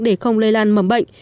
để không lây lan mầm bệnh